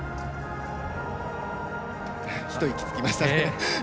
一息つきましたね。